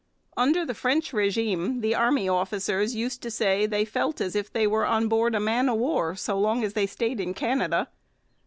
Under the French régime the army officers used to say they felt as if they were on board a man of war as long as they stayed in Canada.